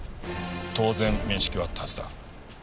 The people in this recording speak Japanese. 当然面識はあったはずだ。